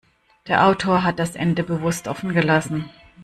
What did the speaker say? Der Autor hat das Ende bewusst offen gelassen.